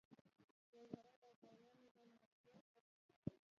جواهرات د افغانانو د معیشت سرچینه ده.